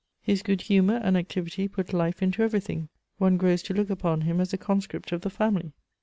His good humour and activity put life into everything; one grows to look upon him as a conscript of the family.